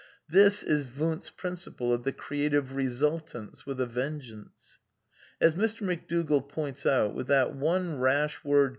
^ This is Wundt^s principle of the creative resultants ^/^^ with a vengeance. . As Mr. McDougall points out, with that one rash word!